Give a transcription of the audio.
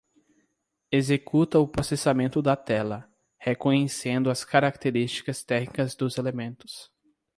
Executa o processamento da tela, reconhecendo as características técnicas dos elementos.